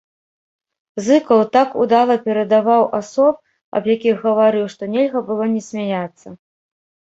Зыкаў так удала перадаваў асоб, аб якіх гаварыў, што нельга было не смяяцца.